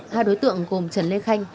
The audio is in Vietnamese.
hai đối tượng cùng trần lê khanh